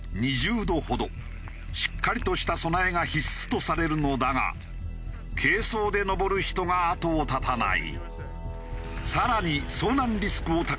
しっかりとした備えが必須とされるのだが軽装で登る人が後を絶たない。